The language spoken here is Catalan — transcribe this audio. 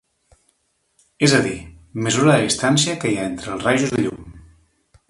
És a dir, mesura la distància que hi ha entre els rajos de llum.